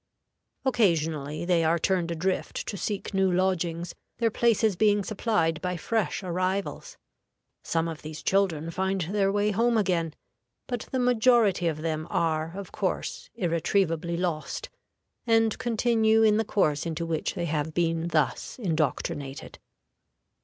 Occasionally they are turned adrift to seek new lodgings, their places being supplied by fresh arrivals. Some of these children find their way home again, but the majority of them are of course irretrievably lost, and continue in the course into which they have been thus indoctrinated.